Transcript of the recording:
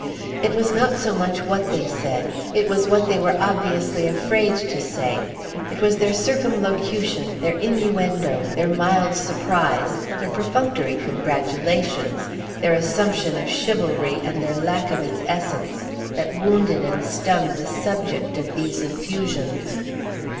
It was not so much what they said; it was what they were obviously afraid to say. It was their circumlocution, their innuendo, their mild surprise, their perfunctory congratulations, their assumption of chivalry and their lack of its essence, that wounded and stung the subject of these effusions.